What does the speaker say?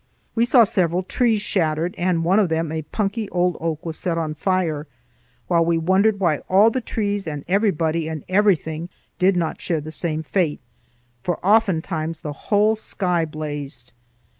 We saw several trees shattered, and one of them, a punky old oak, was set on fire, while we wondered why all the trees and everybody and everything did not share the same fate, for oftentimes the whole sky blazed.